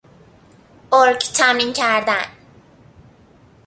ارگ تمرین کردن